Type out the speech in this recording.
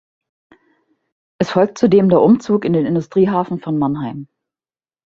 Es folgt zudem der Umzug in den Industriehafen von Mannheim.